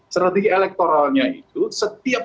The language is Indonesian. strategi elektoralnya itu setiap